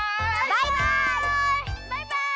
バイバイ！